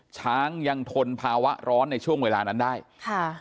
ช้างยังทนภาวะร้อนในช่วงเวลานั้นได้ค่ะ